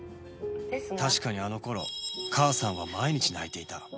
確かにあの頃母さんは毎日泣いていた